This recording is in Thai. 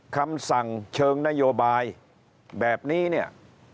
คำสั่งเชิงนโยบายแบบนี้เนี่ย